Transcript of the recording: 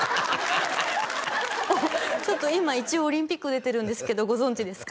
ちょっと今一応オリンピック出てるんですけどご存じですか？